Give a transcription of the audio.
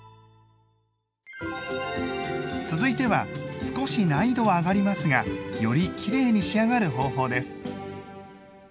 続いては少し難易度は上がりますがよりきれいに仕上がる方法です。